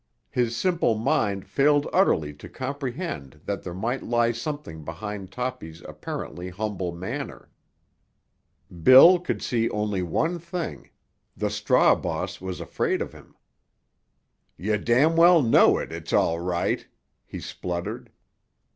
His simple mind failed utterly to comprehend that there might lie something behind Toppy's apparently humble manner. Bill could see only one thing—the straw boss was afraid of him. "Yah —— know it, it's all right!" he spluttered.